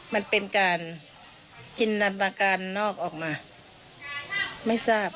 มันเป็นการกินนันประการนอกออกมาไม่ทราบ